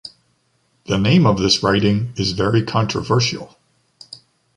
The name of this writing is very controversial.